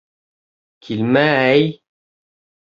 — Килмә-әй!..